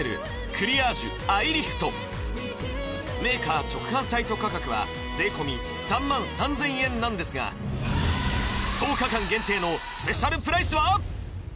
クリアージュアイリフトメーカー直販サイト価格は税込３万３０００円なんですが１０日間限定のスペシャルプライスは？